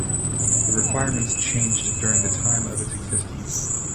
The requirements changed during the time of its existence.